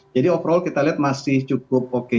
jadi overall kita lihat masih cukup oke